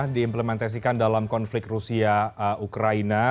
diimplementasikan dalam konflik rusia ukraina